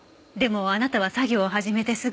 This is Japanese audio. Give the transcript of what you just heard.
でもあなたは作業を始めて